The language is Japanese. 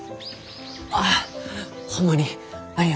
あホンマにありがとう。